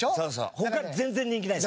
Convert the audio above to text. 他全然人気ないです。